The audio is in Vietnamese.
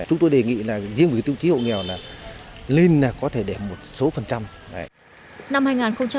chúng tôi đề nghị là riêng với tiêu chí hộ nghèo là lên là có thể để một số phần trăm